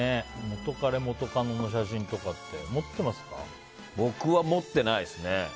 元カレ、元カノの写真とかって僕は持っていないですね。